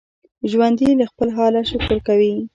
ژوندي له خپل حاله شکر کوي